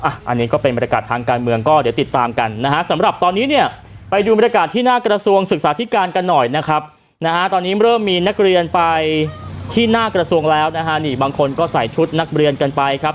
อันนี้ก็เป็นบรรยากาศทางการเมืองก็เดี๋ยวติดตามกันนะฮะสำหรับตอนนี้เนี่ยไปดูบรรยากาศที่หน้ากระทรวงศึกษาธิการกันหน่อยนะครับนะฮะตอนนี้เริ่มมีนักเรียนไปที่หน้ากระทรวงแล้วนะฮะนี่บางคนก็ใส่ชุดนักเรียนกันไปครับ